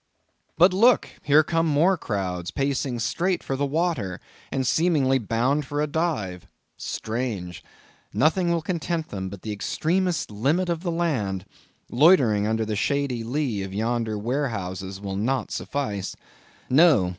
But look! here come more crowds, pacing straight for the water, and seemingly bound for a dive. Strange! Nothing will content them but the extremest limit of the land; loitering under the shady lee of yonder warehouses will not suffice. No.